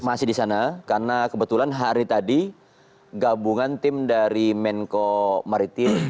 masih di sana karena kebetulan hari tadi gabungan tim dari menko maritim